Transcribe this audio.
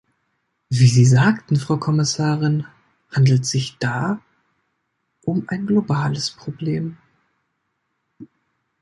Wie Sie sagten, Frau Kommissarin, handelt sich da um ein globales Problem.